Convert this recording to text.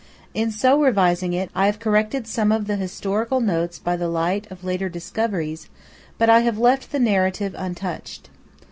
In so revising it, I have corrected some of the historical notes by the light of later discoveries; but I have left the narrative untouched.